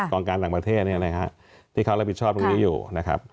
กองการต่างประเทศเนี่ยนะครับที่เขารับผิดชอบตรงนี้อยู่นะครับ